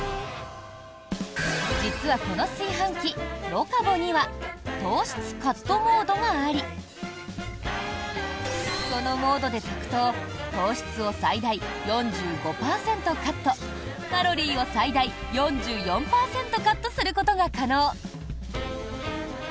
実はこの炊飯器ＬＯＣＡＢＯには糖質カットモードがありそのモードで炊くと糖質を最大４５％カットカロリーを最大４４％カットすることが可能。